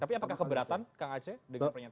tapi apakah keberatan kak aceh dengan pernyataannya